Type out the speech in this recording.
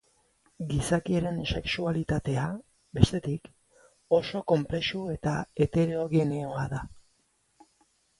Gizakiaren sexualitatea, bestetik, oso konplexu eta heterogeneoa da.